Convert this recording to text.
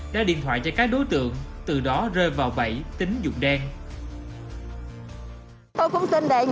đã điện thoại cho các đối tượng từ đó rơi vào bẫy tính dụng đen